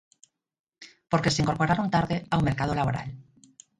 Porque se incorporaron tarde ao mercado laboral.